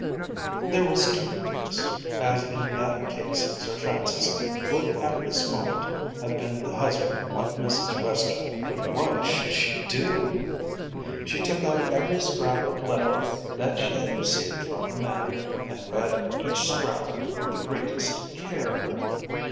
There was truth in this, as in that case Sir Francis would at this moment have been the husband of Mrs. Western. But what should she do? She took out every scrap of letter that she had received from the man, and read each scrap with the greatest care.